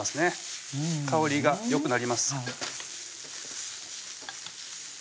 香りがよくなります